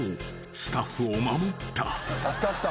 ［スタッフを守った］